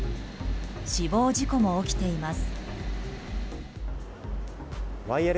死亡事故も起きています。